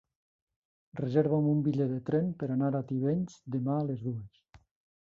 Reserva'm un bitllet de tren per anar a Tivenys demà a les dues.